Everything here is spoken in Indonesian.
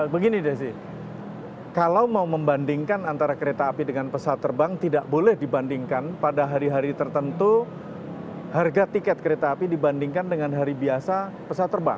begini desi kalau mau membandingkan antara kereta api dengan pesawat terbang tidak boleh dibandingkan pada hari hari tertentu harga tiket kereta api dibandingkan dengan hari biasa pesawat terbang